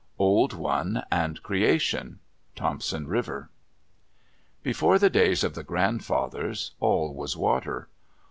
OLD ONE AND CREATION Thompson River Before the days of the grandfathers, all was water.